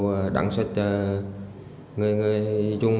vừa lượt đảo kết thoảng